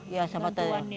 ya bantuan ya